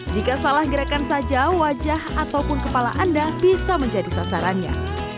jika salah gerakan saja wajah ataupun kepala anda bisa menjadi sasarannya